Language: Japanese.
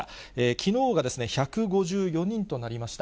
きのうが１５４人となりました。